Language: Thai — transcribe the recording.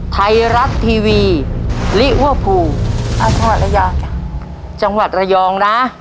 ไทรัสทีวีลิวพูจังหวัดรยองนะ